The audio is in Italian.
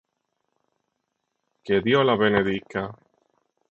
Che Dio la benedica.